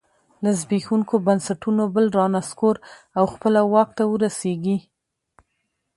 له زبېښونکو بنسټونو بل رانسکور او خپله واک ته ورسېږي.